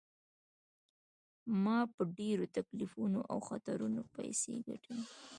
ما په ډیرو تکلیفونو او خطرونو پیسې ګټلي.